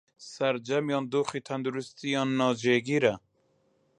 سەرجەمیان دۆخی تەندروستییان ناجێگرە